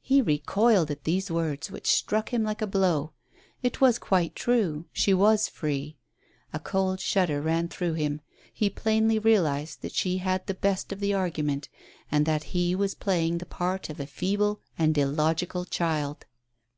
He recoiled at these words, which struck him like a blow. It was quite true, she was free. A cold shudder ran through him, lie plainly realized that she had the best of the argument, and that he was playing the part of a feeble and illogical child.